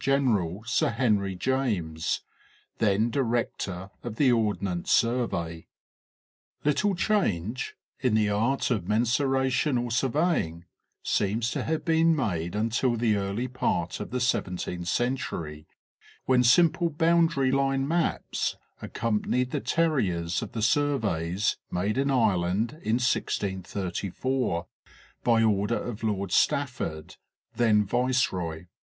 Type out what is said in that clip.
Gen'l. Sir Henry James, then director of the Ordnance Survey. 244 National Geographic Magazine. Little change (in the art of mensuration or surveying) seems to have been made until the early part of the 17th century when simple boundary line maps accompanied the terriers of the sur veys made in Ireland in 1634, by order of Lord Stafford, then viceroy.